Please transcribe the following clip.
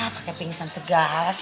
pakai pingsan segala sih ayah ini